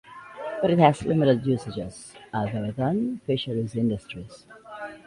But it has limited usages other than fisheries industry.